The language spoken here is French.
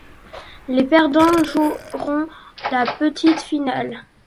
Les perdants joueront la petite finale.